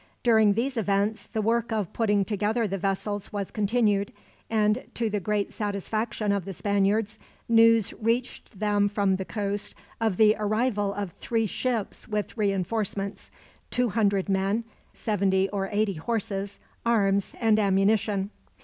During these events the work of putting together the vessels was continued and, to the great satisfaction of the Spaniards, news reached them from the coast of the arrival of three ships, with reinforcements: two hundred men, seventy or eighty horses, arms, and ammunition.